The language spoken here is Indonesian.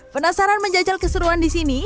penasaran menjajal keseruan di sini